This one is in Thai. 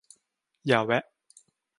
อย่าแวะ